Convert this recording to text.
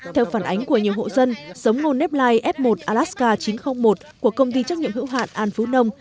theo phản ánh của nhiều hộ dân giống ngô nếp lai f một alaska chín trăm linh một của công ty trách nhiệm hữu hạn an phú nông